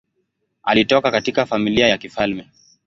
Alitoka katika familia ya kifalme.